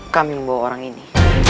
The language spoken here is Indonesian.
kami membawa orang ini